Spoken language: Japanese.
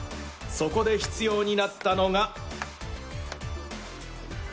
そこで必要になったのが。